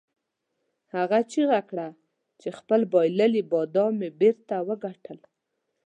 هغه چیغه کړه چې خپل بایللي بادام مې بیرته وګټل.